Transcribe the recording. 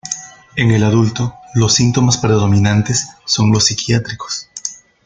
En el adulto los síntomas predominantes son los psiquiátricos.